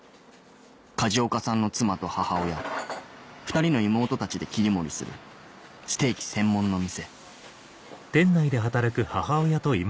梶岡さんの妻と母親２人の妹たちで切り盛りするステーキ専門の店